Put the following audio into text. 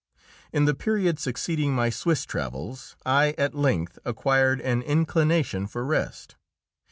In the period succeeding my Swiss travels I at length acquired an inclination for rest.